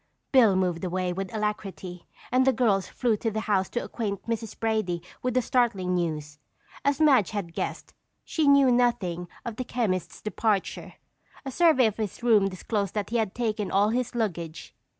Bill moved away with alacrity and the girls flew to the house to acquaint Mrs. Brady with the startling news. As Madge had guessed, she knew nothing of the chemist's departure. A survey of his room disclosed that he had taken all his luggage.